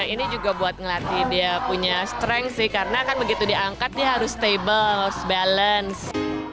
ini juga buat ngelatih dia punya strength sih karena kan begitu diangkat dia harus stables balance